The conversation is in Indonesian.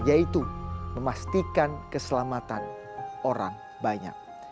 yaitu memastikan keselamatan orang banyak